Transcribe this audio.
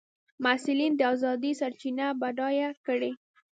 محصلین دي ازادې سرچینې بډایه کړي.